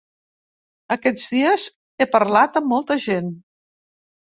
Aquests dies he parlat amb molta gent.